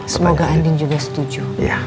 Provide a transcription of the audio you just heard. semoga andin juga setuju